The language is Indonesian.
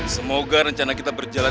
semoga rencana kita berjalan